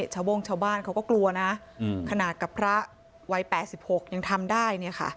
โบ้งชาวบ้านเขาก็กลัวนะขนาดกับพระวัย๘๖ยังทำได้เนี่ยค่ะ